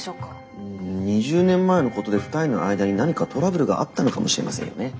うん２０年前のことで２人の間に何かトラブルがあったのかもしれませんよね。